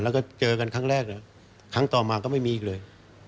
แล้วก็เจอกันครั้งแรกครั้งต่อมาก็ไม่มีอีกเลย